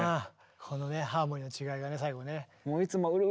このねハーモニーの違いがね最後ね。